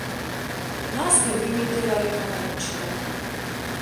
მას ბევრი მიმდევარი გამოუჩნდა.